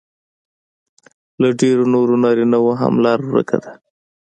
له ډېرو نورو نارینهو هم لار ورکه ده